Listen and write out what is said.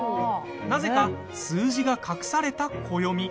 なぜか、数字が隠された暦。